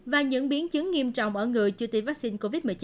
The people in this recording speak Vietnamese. và những biến chứng nghiêm trọng ở người chưa tiêm vắc xin covid một mươi chín